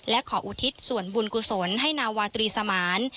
และขออุทิศส่วนบุญกุศลให้นาวาตรีสมาน